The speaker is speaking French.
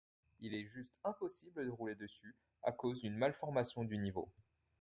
Il est juste impossible de rouler dessus à cause d'une malformation du niveau.